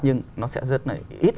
nhưng nó sẽ rất là ít